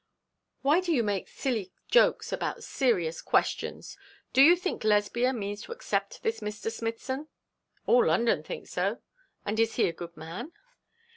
'Why do you make silly jokes about serious questions? Do you think Lesbia means to accept this Mr. Smithson?' 'All London thinks so.' 'And is he a good man?'